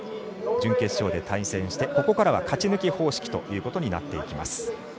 準決勝で対戦して、ここからは勝ち抜き方式となっていきます。